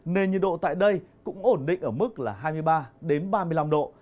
nền nhiệt độ tại đây cũng ổn định ở mức là hai mươi ba ba mươi năm độ